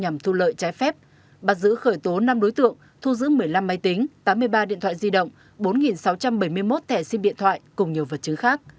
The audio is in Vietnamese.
một mươi năm máy tính tám mươi ba điện thoại di động bốn sáu trăm bảy mươi một thẻ sim điện thoại cùng nhiều vật chứng khác